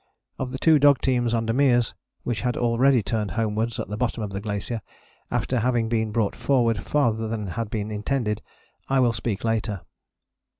Of the two dog teams under Meares, which had already turned homewards at the bottom of the glacier after having been brought forward farther than had been intended, I will speak later.